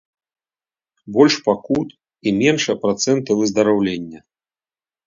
Больш пакут, і меншыя працэнты выздараўлення.